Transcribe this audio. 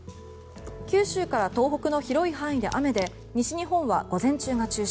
九州から東北の広い範囲で雨で西日本は午前中が中心。